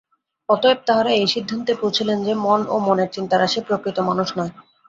অতএব তাঁহারা এই সিদ্ধান্তে পৌঁছিলেন যে, মন ও মনের চিন্তারাশি প্রকৃত মানুষ নয়।